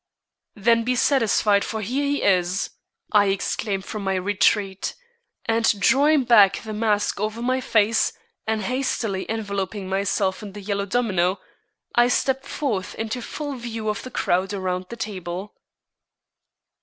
"Then be satisfied, for here he is," I exclaimed from my retreat; and drawing the mask over my face, and hastily enveloping myself in the yellow domino, I stepped forth into full view of the crowd around the table.